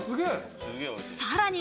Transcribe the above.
さらに。